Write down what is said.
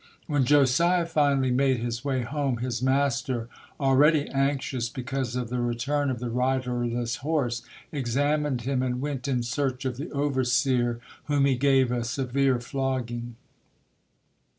When Josiah finally made his way home, his master, already anxious because of the return of the riderless horse, examined him and went in search of the overseer, whom he gave a severe flogging.